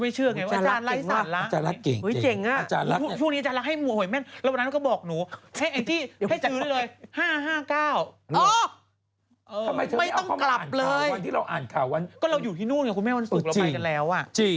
อาจารย์รักว่าออกวันสุกแล้ว